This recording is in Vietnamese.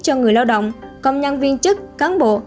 cho người lao động công nhân viên chức cán bộ